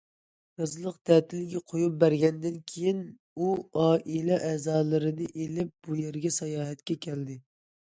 يازلىق تەتىلگە قويۇپ بەرگەندىن كېيىن ئۇ ئائىلە ئەزالىرىنى ئېلىپ بۇ يەرگە ساياھەتكە كەلدى.